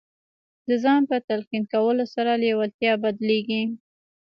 د ځان په تلقین کولو سره لېوالتیا بدلېږي